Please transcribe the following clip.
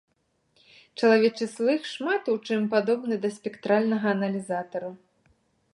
Чалавечы слых шмат у чым падобны да спектральнага аналізатару.